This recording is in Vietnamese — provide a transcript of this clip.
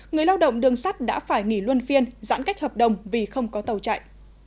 người lao động đường sắt đã phải nghỉ luân phiên giãn cách hợp đồng vì không có tàu chạy